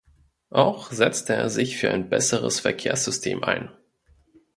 Auch setzte er sich für ein besseres Verkehrssystem ein.